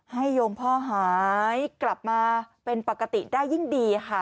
โยมพ่อหายกลับมาเป็นปกติได้ยิ่งดีค่ะ